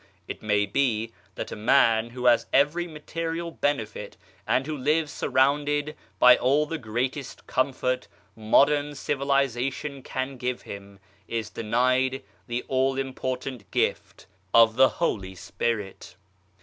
It may be that a man who has every material benefit, and who lives surrounded by all the greatest comfort modern civilization can give him, is denied the all im portant gift of the Holy Spirit.